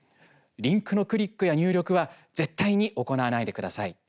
リンクのクリックや入力は絶対に行わないでください。